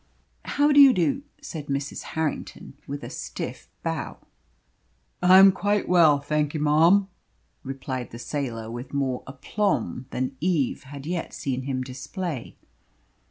"How do you do?" said Mrs. Harrington, with a stiff bow. "I am quite well, thank you, marm," replied the sailor, with more aplomb than Eve had yet seen him display.